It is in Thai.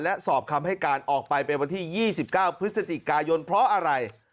และสอบคำให้การออกไปเป็นวันที่๒๙พฤศจิกายนเพราะอะไร